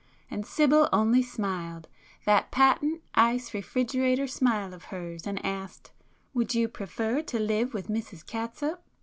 And Sibyl only smiled, that patent ice refrigerator smile of hers, and asked—'would you prefer to live with Mrs Catsup?